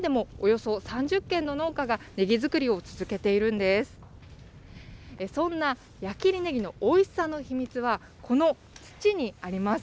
そんな矢切ねぎのおいしさの秘密は、この土にあります。